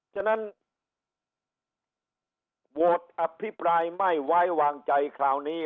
ฉะนั้นโหวตอภิปรายไม่ไว้วางใจคราวนี้